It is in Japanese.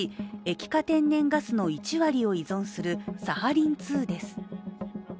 ＬＮＧ＝液化天然ガスの１割を依存するサハリン２です。